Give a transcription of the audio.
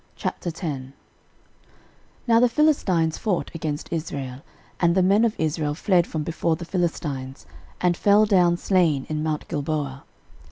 13:010:001 Now the Philistines fought against Israel; and the men of Israel fled from before the Philistines, and fell down slain in mount Gilboa.